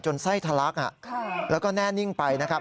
จนไส้ทะลักแล้วก็แน่นิ่งไป